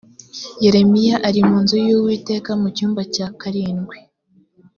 yeremiya ari mu nzu y uwiteka mu cyumba cya karindwi